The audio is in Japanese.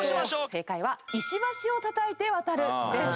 正解は「石橋を叩いて渡る」です。